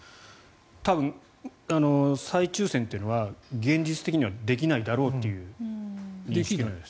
多分、再抽選というのは現実的にはできないだろうという認識だそうです。